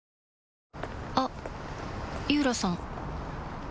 あっ井浦さん